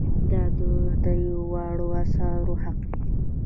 دا د دریو واړو آثارو حق دی.